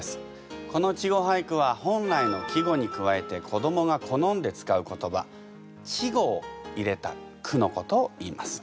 この稚語俳句は本来の季語に加えて子どもが好んで使う言葉稚語を入れた句のことをいいます。